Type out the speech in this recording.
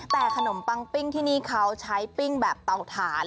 แต่ขนมปังปิ้งที่นี่เขาใช้ปิ้งแบบเตาถ่าน